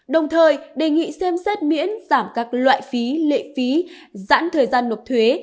đồng thời đề nghị xem xét miễn giảm các loại phí lệ phí dãn thời gian lục thuế